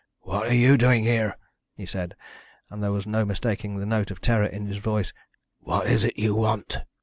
"What are you doing here?" he said, and there was no mistaking the note of terror in his voice. "What is it you want?"